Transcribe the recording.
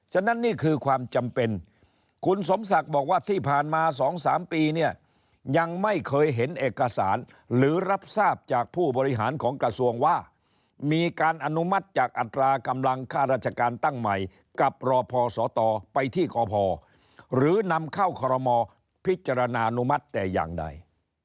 ฉะนั้นนี่คือความจำเป็นคุณสมศักดิ์บอกว่าที่ผ่านมา๒๓ปีเนี่ยยังไม่เคยเห็นเอกสารหรือรับทราบจากผู้บริหารของกระทรวงว่ามีการอนุมัติจากอัตรากำลังค่าราชการตั้งใหม่กับรอพอสตไปที่กพหรือนำเข้าคอรมอพิจารณาอนุมัติแต่อย่างใด